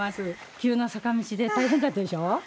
急な坂道で大変だったでしょ？